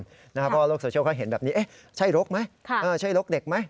เพราะว่าโลกโซเชียลเขาเห็นแบบนี้ใช่รกไหมใช่รกเด็กไหม